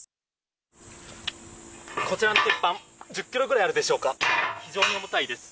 こちらの鉄板、１０キロぐらいあるでしょうか、非常に重たいです。